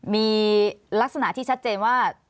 มีลักษณะที่ชัดเจนว่า